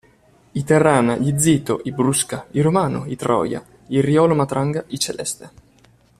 I Terrana, gli Zito, i Brusca, i Romano, i Troia, i Riolo-Matranga, i Celeste.